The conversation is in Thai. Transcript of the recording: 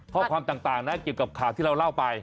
ข้อความต่างนะเกี่ยวกับข่าวที่เราเล่าไป